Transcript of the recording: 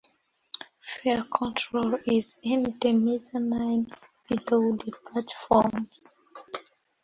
Fare control is in the mezzanine below the platforms.